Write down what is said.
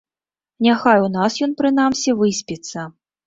Няхай у нас ён прынамсі выспіцца.